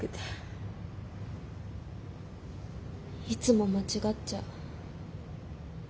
いつも間違っちゃう。